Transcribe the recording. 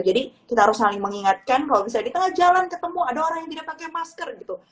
jadi kita harus saling mengingatkan kalau bisa di tengah jalan ketemu ada orang yang tidak pakai masker gitu